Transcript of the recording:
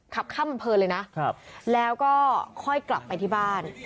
ขับข้ามอำเภอเลยนะแล้วก็ค่อยกลับไปที่บ้าน